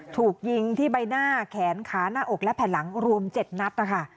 ถูกยิงที่ใบหน้าแขนขาหน้าอกและแผ่นหลังรวม๗นัดนะคะ